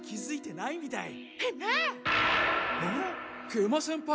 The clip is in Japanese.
食満先輩！